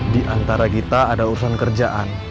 di antara kita ada urusan kerjaan